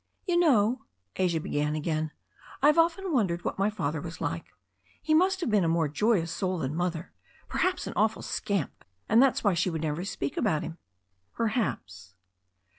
"You know," Asia began again, "I have often wondered what my father was like. He must have been a more joyous soul than Mother, perhaps an awful scamp, and that's why she would never speak about him." "Perhaps."